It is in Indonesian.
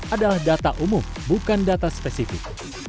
adalah data umum bukan data spesifik